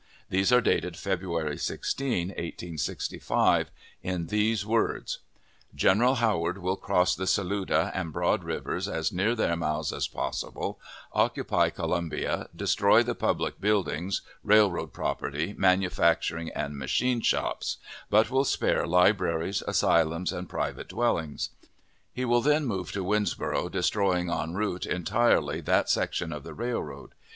These are dated February 16, 1865, in these words: General Howard will cross the Saluda and Broad Rivers as near their mouths as possible, occupy Columbia, destroy the public buildings, railroad property, manufacturing and machine shops; but will spare libraries, asylums, and private dwellings. He will then move to Winnsboro', destroying en route utterly that section of the railroad.